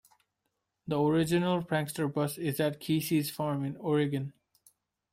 The original Prankster bus is at Kesey's farm in Oregon.